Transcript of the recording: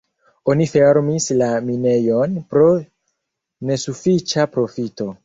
Oni fermis la minejon pro nesufiĉa profito.